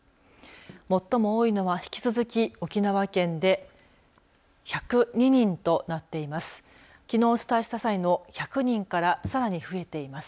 最も多いのは、引き続き沖縄県で１０２人となっています。